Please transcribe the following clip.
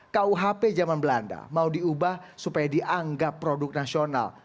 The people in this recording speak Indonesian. kuhp zaman belanda mau diubah supaya dianggap produk nasional